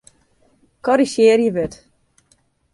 Korrizjearje wurd.